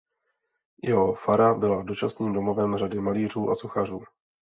Jeho fara byla dočasným domovem řady malířů a sochařů.